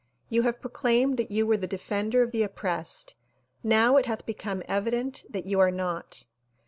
You have proclaimed that you were the defender of the oppressed; now it hath become evident that you are not.